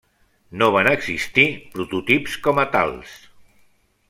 No van existir prototips com a tals.